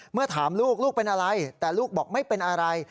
เมื่อถามลูกลูกเป็นอะไรแต่ลูกบอกไม่เป็นอะไร